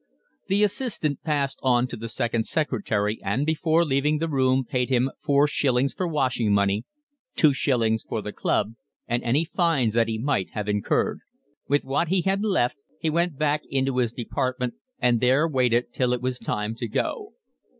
The assistant passed on to the second secretary and before leaving the room paid him four shillings for washing money, two shillings for the club, and any fines that he might have incurred. With what he had left he went back into his department and there waited till it was time to go.